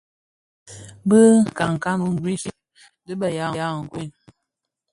Bi nkankan wu ngris dhi be ya nkuekuel.